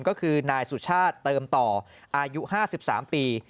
ก็คือนายสุชาติเติมต่ออายุ๕๓ปี